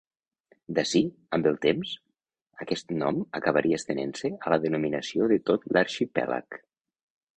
D'ací, amb el temps, aquest nom acabaria estenent-se a la denominació de tot l'arxipèlag.